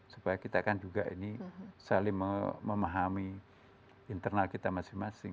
supaya kita kan juga ini saling memahami internal kita masing masing